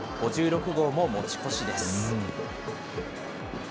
５６号も持ち越しです。